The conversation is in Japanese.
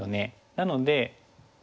なので。